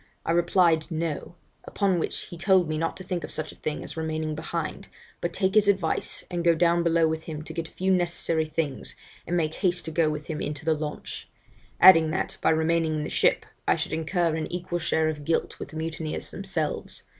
I replied, No upon which he told me not to think of such a thing as remaining behind, but take his advice and go down below with him to get a few necessary things, and make haste to go with him into the launch; adding that, by remaining in the ship, I should incur an equal share of guilt with the mutineers themselves.